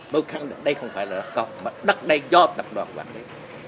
tôi khẳng định đây không phải là đất công mà đất này do tập đoàn quản lý